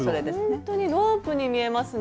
ほんとにロープに見えますね。